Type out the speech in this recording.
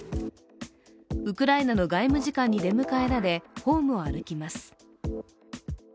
ウクライナの外務次官に出迎えられ、ホームを歩きます。